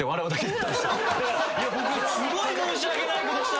だから僕すごい申し訳ないことした。